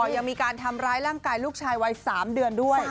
ยังมีการทำร้ายร่างกายลูกชายวัย๓เดือนด้วย